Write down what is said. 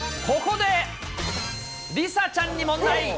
ここで、梨紗ちゃんに問題。